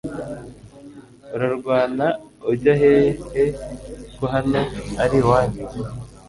urarwana ujya hehe ko hano ari iwanyu